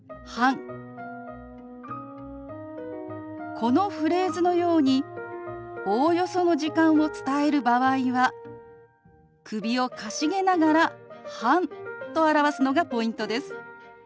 このフレーズのようにおおよその時間を伝える場合は首をかしげながら「半」と表すのがポイントです。